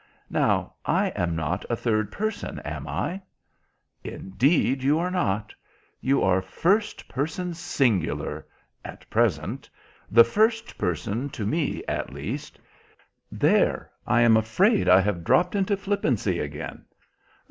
Now I am not a third person, am I?" "Indeed, you are not. You are first person singular—at present—the first person to me at least. There, I am afraid I have dropped into flippancy again."